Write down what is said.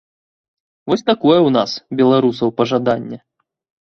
Вось такое ў нас, беларусаў, пажаданне.